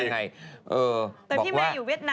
แต่พี่แมนอยู่เวียดนามเนอะ